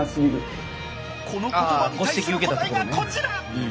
この言葉に対する答えがこちら！